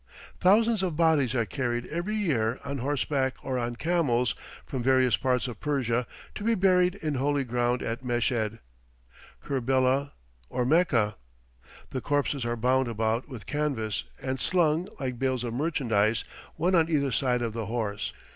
Thousands of bodies are carried every year, on horseback or on camels, from various parts of Persia, to be buried in holy ground at Meshed, Kerbella, or Mecca. The corpses are bound about with canvas, and slung, like bales of merchandise, one on either side of the horse.